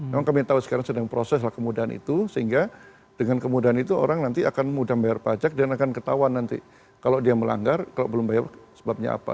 memang kami tahu sekarang sedang proses lah kemudahan itu sehingga dengan kemudahan itu orang nanti akan mudah bayar pajak dan akan ketahuan nanti kalau dia melanggar kalau belum bayar sebabnya apa